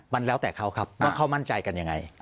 มันแล้วแต่เขาครับว่าเขามั่นใจกันยังไง